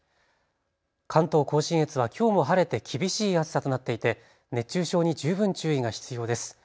関東甲信越はきょうも晴れて厳しい暑さとなっていて熱中症に十分注意が必要です。